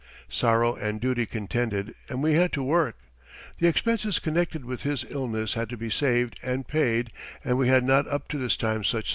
Sorrow and duty contended and we had to work. The expenses connected with his illness had to be saved and paid and we had not up to this time much store in reserve.